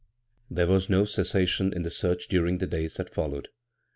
" There was no cessation in the search dur ing the days that followed.